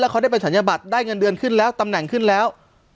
เขาได้ไปศัลยบัตรได้เงินเดือนขึ้นแล้วตำแหน่งขึ้นแล้ว